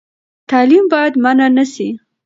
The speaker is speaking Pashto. تعلیم باید منع نه سي.